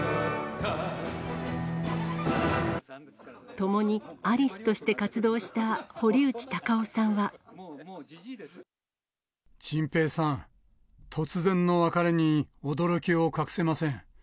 共にアリスとして活動した堀チンペイさん、突然の別れに驚きを隠せません。